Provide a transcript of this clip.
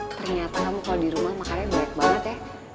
ternyata kamu kalau di rumah makannya banyak banget ya